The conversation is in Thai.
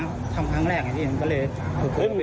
ผมทำครั้งแรกนั้นเนี่ยแล้วเลย